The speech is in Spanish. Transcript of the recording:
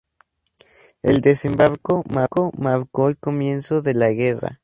El desembarco marcó el comienzo de la guerra.